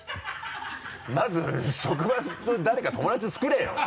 まず職場の誰か友達を作れよ！